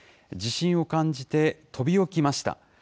地震を感じて飛び起きました。